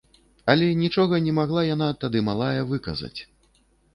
Але нічога не магла яна, тады малая, выказаць.